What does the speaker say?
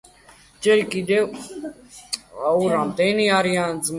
ჯერ კიდევ ყმაწვილმა მიიპყრო მასწავლებელთა ყურადღება.